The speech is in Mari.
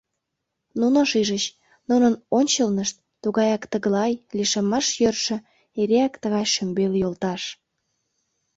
Нуно шижыч: нунын ончлнышт тугаяк тыглай, лишемаш йӧршӧ, эреак тыгай шӱмбел йолташ.